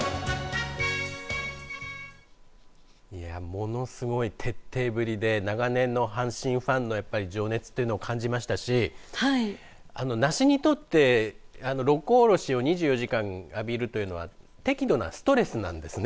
ものすごい徹底ぶりで長年の阪神ファンの情熱を感じましたし梨にとって六甲おろしを２４時間浴びるというのは適度なストレスなんですね。